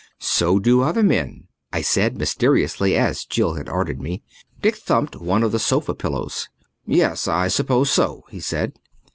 "So do other men," I said mysterious, as Jill had ordered me. Dick thumped one of the sofa pillows. "Yes, I suppose so," he said.